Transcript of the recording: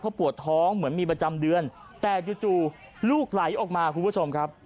เขาปวดท้องเหมือนมีประจำเดือนแต่จู่ลูกไหลออกมาคุณผู้ชมครับ